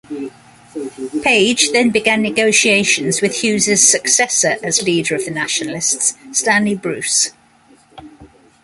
Page then began negotiations with Hughes' successor as leader of the Nationalists, Stanley Bruce.